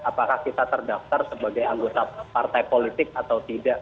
apakah kita terdaftar sebagai anggota partai politik atau tidak